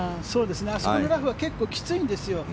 あそこのラフは結構きついんですよ。